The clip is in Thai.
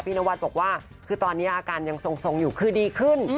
นวัดบอกว่าคือตอนนี้อาการยังทรงอยู่คือดีขึ้น